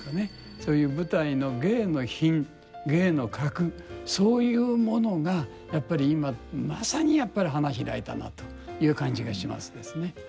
そういう舞台の芸の品芸の格そういうものがやっぱり今まさにやっぱり花開いたなという感じがしますですね。